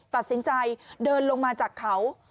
ตัดสินใจเดินลงมาจากเขา